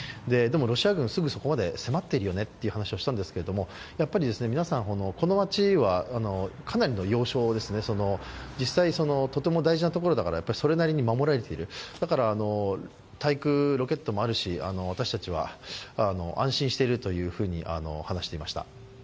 でもロシア軍はすぐそこまで迫っているよねという話をしたんですけどやっぱり皆さん、この街はかなりの要衝ですね、実際とても大事なところだから、それなりに守られている、だから、対空ロケットもあるし、私たちは、安心しているというふうに話していました。